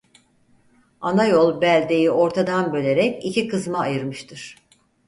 Ana yol beldeyi ortadan bölerek iki kısma ayırmıştır.